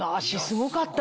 すごかった。